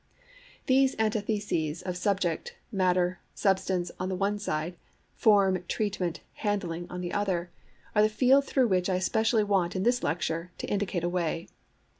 These antitheses of subject, matter, substance on the one side, form, treatment, handling on the other, are the field through which I especially want, in this lecture, to indicate a way.